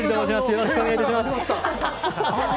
よろしくお願いします。